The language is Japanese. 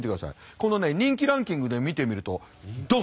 このね人気ランキングで見てみるとドン！